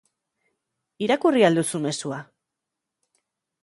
Irakurri al duzu mezua?